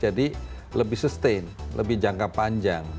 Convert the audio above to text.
jadi lebih sustain lebih jangka panjang